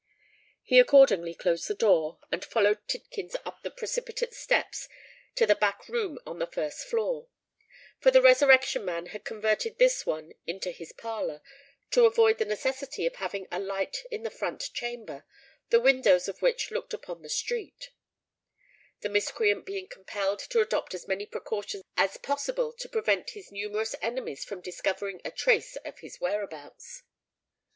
He accordingly closed the door, and followed Tidkins up the precipitate steps to the back room on the first floor: for the Resurrection Man had converted this one into his parlour, to avoid the necessity of having a light in the front chamber, the windows of which looked upon the street—the miscreant being compelled to adopt as many precautions as possible to prevent his numerous enemies from discovering a trace of his whereabouts.